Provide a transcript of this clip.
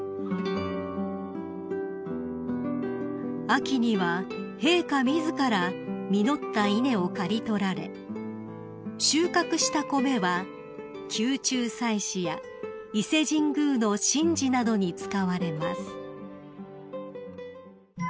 ［秋には陛下自ら実った稲を刈り取られ収穫した米は宮中祭祀や伊勢神宮の神事などに使われます］